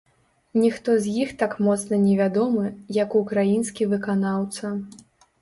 Ніхто з іх так моцна не вядомы, як украінскі выканаўца.